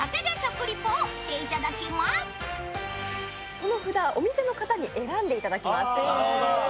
この札、お店の方に選んでいただきます。